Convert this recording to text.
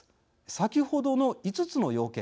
先ほどの５つの要件